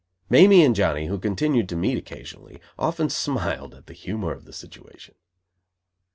Mamie and Johnny, who continued to meet occasionally, often smiled at the humor of the situation.